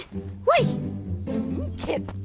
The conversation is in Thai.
เฮ้ยเข็ด